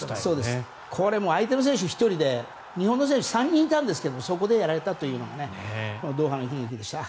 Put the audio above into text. これも相手の選手１人で日本の選手が３人いたんですがそこでやられたというのがドーハの悲劇でした。